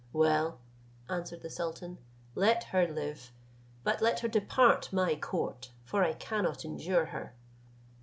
"Well," answered the sultan, "let her live; but let her depart my court; for I cannot endure her."